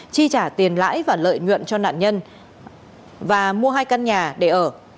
chi trả tiền lãi và lợi nhuận cho nạn nhân và mua hai căn nhà để ở